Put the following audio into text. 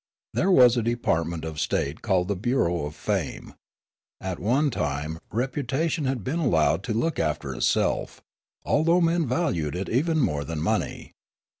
There was a department of state called the Bureau of Fame. At one time reputation had been allowed to look after itself, although men valued it even more than money.